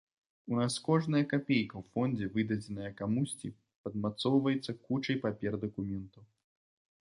У нас кожная капейка ў фондзе, выдадзеная камусьці, падмацоўваецца кучай папер-дакументаў.